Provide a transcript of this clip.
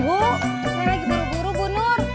saya lagi baru baru bu nur